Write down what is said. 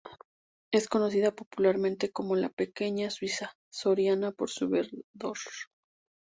Es conocida popularmente como la "Pequeña Suiza Soriana", por su verdor.